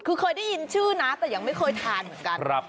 คือเคยได้ยินชื่อนะแต่ยังไม่เคยทานเหมือนกัน